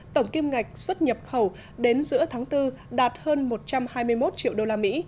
tổng kim ngạch xuất nhập khẩu đến giữa tháng bốn đạt hơn một trăm hai mươi một triệu đô la mỹ